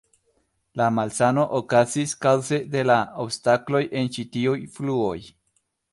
La malsano okazis kaŭze de la obstakloj en ĉi tiuj fluoj.